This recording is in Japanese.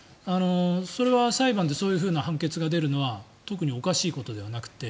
それは裁判でそういう判決が出るのは特におかしいことではなくて。